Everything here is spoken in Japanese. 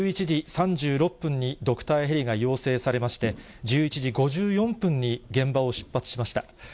１１時３６分にドクターヘリが要請されまして、１１時５４分に現場を出発しました。